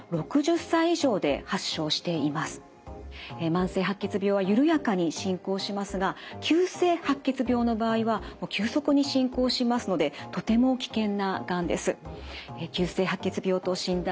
慢性白血病は緩やかに進行しますが急性白血病の場合は急速に進行しますのでとても危険ながんです。